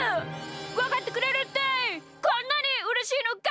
わかってくれるってこんなにうれしいのか！